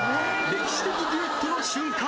歴史的デュエットの瞬間